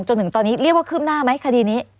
จนถึงตอนนี้เรียกว่าคืบหน้าไหมคดีนี้